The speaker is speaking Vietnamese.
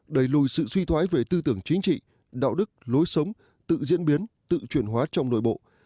đẩy lùi sự suy thoái về tư tưởng chính trị đạo đức lối sống tự diễn biến tự chuyển hóa trong nội bộ